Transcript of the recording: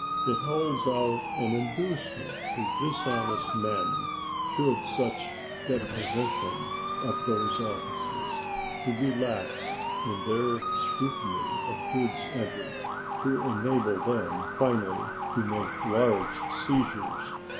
It holds out an inducement to dishonest men, should such get possession of those offices, to be lax in their scrutiny of goods entered, to enable them finally to make large seizures.